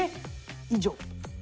以上。